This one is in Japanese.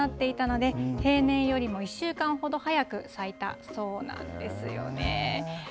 ことしは気温が高くなっていたので、平年よりも１週間ほど早く咲いたそうなんですよね。